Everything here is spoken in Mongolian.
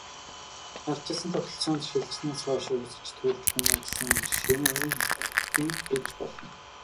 Ардчилсан тогтолцоонд шилжсэнээс хойш өсөж, төрж хүмүүжсэн шинэ үеийнхэн гэж болно.